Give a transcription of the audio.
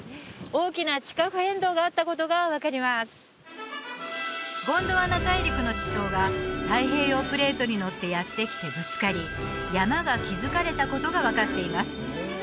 大きな地殻変動があったことが分かりますゴンドワナ大陸の地層が太平洋プレートにのってやって来てぶつかり山が築かれたことが分かっています